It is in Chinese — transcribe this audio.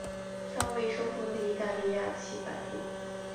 尚未收复的意大利其版图。